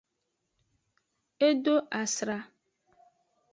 E do asra.